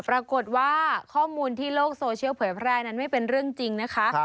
ปรากฏว่าข้อมูลที่โลกโซเชียลเผยแพร่นั้นไม่เป็นเรื่องจริงนะคะ